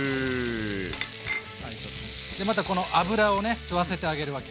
でまたこの脂をね吸わせてあげるわけ。